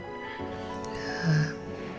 misalkan aku penyebab mereka baikan